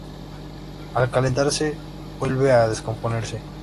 Al calentarse vuelve a descomponerse.